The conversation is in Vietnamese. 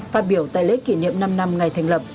phát biểu tại lễ kỷ niệm năm năm ngày thành lập